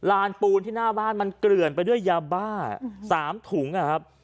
ลานปูนที่หน้าบ้านมันเกลื่อนไปด้วยยาบ้า๓ถุงนะครับ